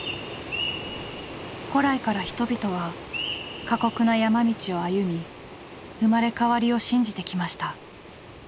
古来から人々は過酷な山道を歩み生まれ変わりを信じてきました。